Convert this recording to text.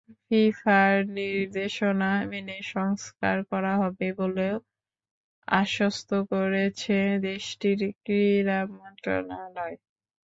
ফিফার নির্দেশনা মেনে সংস্কার করা হবে বলেও আশ্বস্ত করেছে দেশটির ক্রীড়া মন্ত্রণালয়।